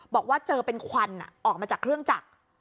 บอกว่าเจอเป็นควันออกมาจากเครื่องจักร